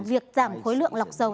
việc giảm khối lượng lọc dầu